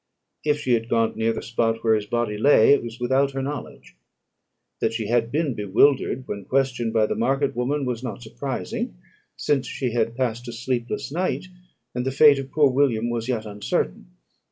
If she had gone near the spot where his body lay, it was without her knowledge. That she had been bewildered when questioned by the market woman was not surprising, since she had passed a sleepless night, and the fate of poor William was yet uncertain.